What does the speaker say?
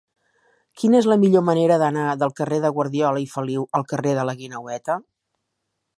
Quina és la millor manera d'anar del carrer de Guardiola i Feliu al carrer de la Guineueta?